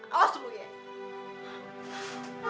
awas dulu ya